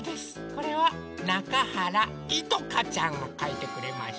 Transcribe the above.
これはなかはらいとかちゃんがかいてくれました。